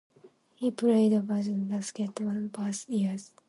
He played varsity basketball both years.